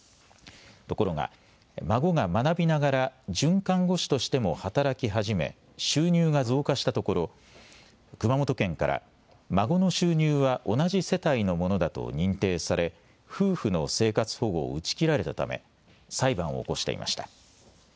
ところが、孫が学びながら准看護師としても働き始め収入が増加したところ熊本県から孫の収入は同じ世帯のものだと認定され夫婦の生活保護を打ち切られたため裁判を起こしていました。